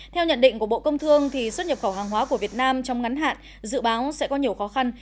theo nhận định của bộ công thương xuất nhập khẩu hàng hóa của việt nam trong ngắn hạn dự báo sẽ có nhiều khó khăn